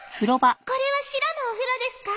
これはシロのお風呂ですか？